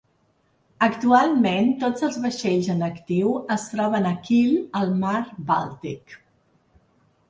Actualment, tots els vaixells en actiu es troben a Kiel, al mar Bàltic.